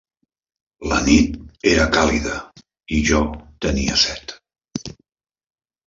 La nit era càlida i jo tenia set.